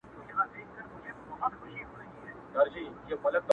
څوك چي د سترگو د حـيـا له دره ولوېــــږي،